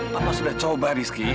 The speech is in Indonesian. papa sudah coba harisky